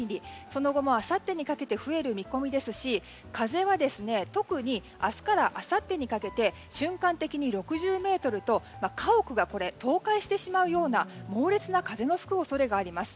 その後もあさってにかけて増える見込みですし風は特に明日からあさってにかけて瞬間的に６０メートルと家屋が倒壊してしまうような猛烈な風が吹く恐れがあります。